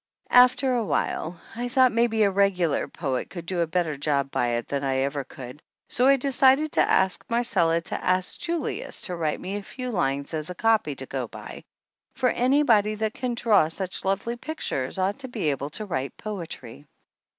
After a while I thought maybe a regular poet could do a better job by it than even I could, so I de 152 THE ANNALS OF ANN cided to ask Marcella to ask Julius to write me a few lines as a copy to go by, for anybody that can draw such lovely pictures ought to be able to write poetry.